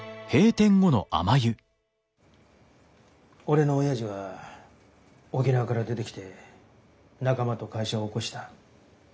俺の親父は沖縄から出てきて仲間と会社を起こした。